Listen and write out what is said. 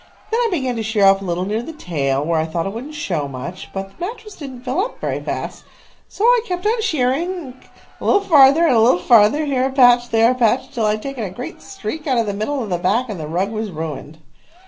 Then I began to shear off a little near the tail, where I thought it wouldn't show much; but the mattress didn't fill up very fast. So I kept on shearing, a little farther and a little farther, here a patch and there a patch, until I had taken a great streak out of the middle of the back, and the rug was ruined."